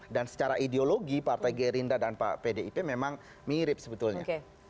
dan secara ideologi partai gerinda dan pak pdip memang mirip sebetulnya